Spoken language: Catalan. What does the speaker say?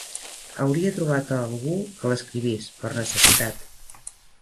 Hauria trobat a algú que l'escrivís, per necessitat.